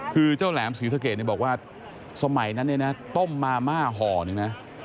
คือเจ้าแหลมศรีษะเกตบอกว่าสมัยนั้นต้มมาม่าห่อนึง